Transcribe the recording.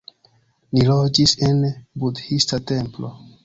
Ni loĝis en budhista templo